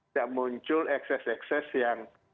tidak muncul ekses ekses yang